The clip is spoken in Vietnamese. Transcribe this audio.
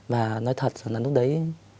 và nói thật là lúc đấy